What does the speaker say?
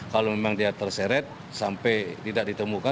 kalau memang dia terseret sampai tidak ditemukan